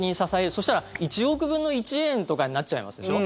そしたら、１億分の１円とかになっちゃいますでしょ。